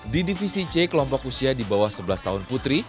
di divisi c kelompok usia di bawah sebelas tahun putri